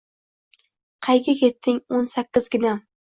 Qayga ketding o’n sakkizginam?